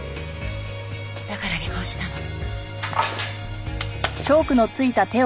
だから離婚したの。